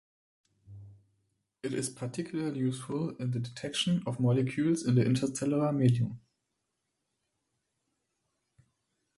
It is particularly useful in the detection of molecules in the interstellar medium.